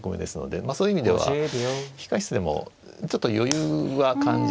まあそういう意味では控え室でもちょっと余裕は感じられましたね。